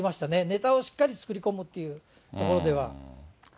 ネタをしっかり作り込むっていうところでは。